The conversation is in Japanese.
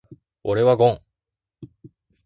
俺はゴン。